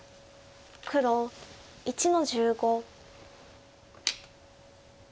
黒１の十五。